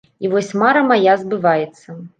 І вось мара мая збываецца.